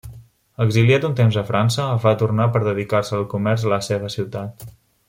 Exiliat un temps a França, va tornar per dedicar-se al comerç a la seva ciutat.